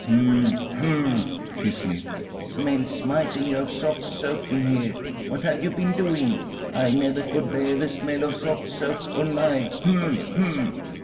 "Hm! Hm!" she sniffed. "Smells mightily of soft soap in here. What have you been doing? I never could bear the smell of soft soap or lye. Hm! Hm!"